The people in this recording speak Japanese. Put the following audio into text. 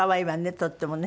とってもね。